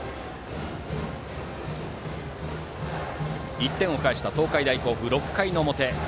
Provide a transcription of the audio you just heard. １点を返した東海大甲府６回の表。